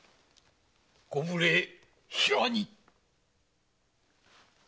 ご無礼平に。